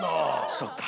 「そっか。